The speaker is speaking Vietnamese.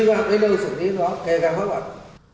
đi vào cái nơi xử lý đó kể cả pháp luật